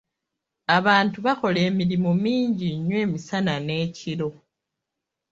Abantu bakola emirimu mingi nnyo emisana n'ekiro.